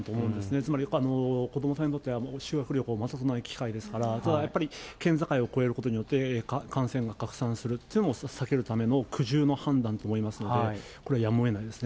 つまり、子どもさんにとっては、修学旅行はまたとない機会ですから、ただやっぱり、県境を越えることによって感染が拡散するというのを避けるための苦渋の判断と思いますので、これはやむをえないですね。